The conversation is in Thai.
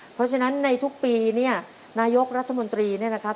เพราะฉะนั้นในทุกปีเนี่ยนายกรัฐมนตรีเนี่ยนะครับ